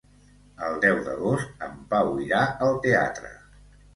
El deu d'agost en Pau irà al teatre.